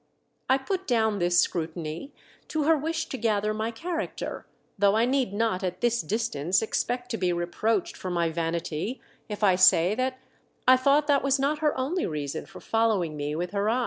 I put down this scrutiny to her wish to gather my character, though I need not at this distance expect to be reproached for my vanity if I say that I thought that was not her only reason for following me with her VANDERDECKEN EXHIBITS SOME TREASURE.